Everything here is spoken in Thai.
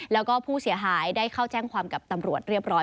แล้วก็ผู้เสียหายได้เข้าแจ้งความกับตำรวจเรียบร้อย